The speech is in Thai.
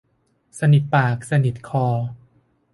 สนิทปากสนิทคอ